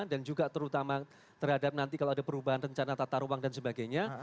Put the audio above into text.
dan juga terutama terhadap nanti kalau ada perubahan rencana tata ruang dan sebagainya